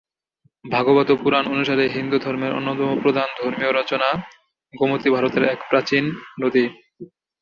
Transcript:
ভাগবত পুরাণ অনুসারে হিন্দু ধর্মের অন্যতম প্রধান ধর্মীয় রচনা, গোমতী ভারতের এক প্রাচীন নদী।